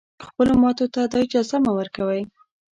خپلو ماتو ته دا اجازه مه ورکوی